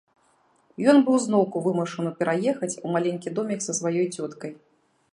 Ён быў зноўку вымушаны пераехаць у маленькі домік са сваёй цёткай.